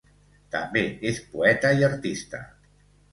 També és poeta i artista.